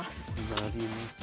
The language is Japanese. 成ります。